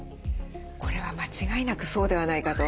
これは間違いなくそうではないかと。